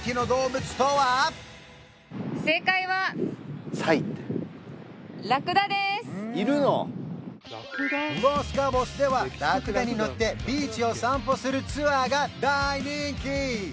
えっとあれだロス・カボスではラクダに乗ってビーチを散歩するツアーが大人気！